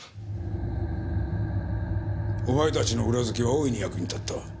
お前たちの裏づけは大いに役に立った。